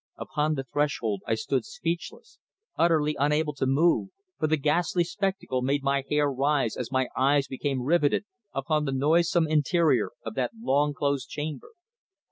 Upon the threshold I stood speechless, utterly unable to move, for the ghastly spectacle made my hair rise as my eyes became riveted upon the noisome interior of that long closed chamber.